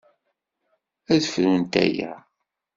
Ad frunt aya.